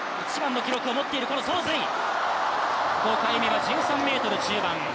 ５回目は１３ｍ中盤。